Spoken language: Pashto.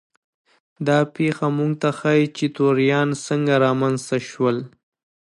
دا پېښه موږ ته ښيي چې توریان څنګه رامنځته شول.